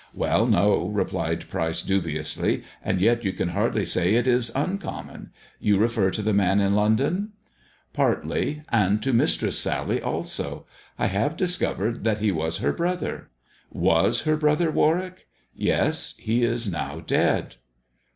" Well, no," replied Pryce dubiously, and yet you can hardly say it is uncommon. You refer to the man in London 1 "" Partly, and to Mistress Sally also. I have discovered that he was her brother." " Was her brother, Warwick 1 "" Yes. He is now dead."